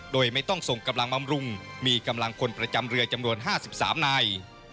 โดยไม่ต้องส่งกำลังบำรุงมีกำลังคนประจำเรือจำนวน๕๓นาย